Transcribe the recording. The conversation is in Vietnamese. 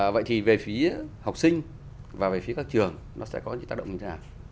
vậy thì về phía học sinh và về phía các trường nó sẽ có những tác động như thế nào